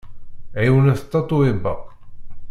Ɛiwnet Tatoeba!